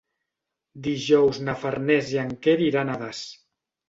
Dijous na Farners i en Quer iran a Das.